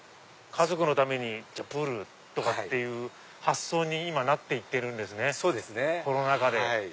家族のためにプールとかっていう発想に今なって行ってるんですねコロナ禍で。